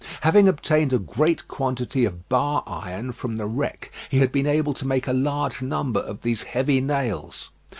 Having obtained a great quantity of bar iron from the wreck, he had been able to make a large number of these heavy nails.